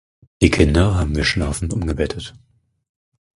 Die Kinder haben wir schlafend umgebettet.